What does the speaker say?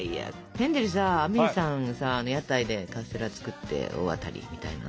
ヘンゼルさアメイさんのさあの屋台でカステラ作って大当たりみたいな。